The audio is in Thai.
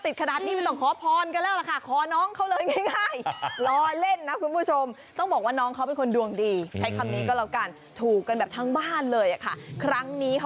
จะไปหาน้องเขานี่แหละ